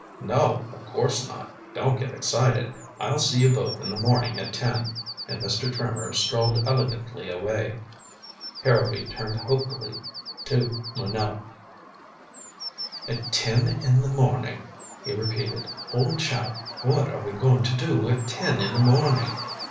"No, of course not. Don't get excited. I'll see you both in the morning at ten." And Mr. Trimmer strolled elegantly away. Harrowby turned hopefully Jo Minot. "At ten in the morning," he repeated. "Old chap, what are we going to do at ten in the morning?"